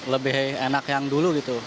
lebih enak yang dulu gitu